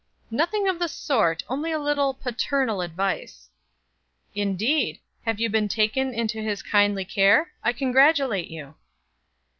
"Nothing of the sort; only a little paternal advice." "Indeed! Have you been taken into his kindly care? I congratulate you."